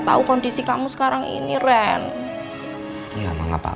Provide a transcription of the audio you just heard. pak ini mau ganggu anak saya pak